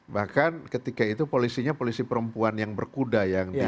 bahkan ketika itu polisinya polisi perempuan yang berkuda